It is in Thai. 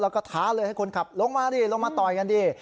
แล้วก็ท้าเลยให้คนขับลงมาดิลงมาต่อยกันดิ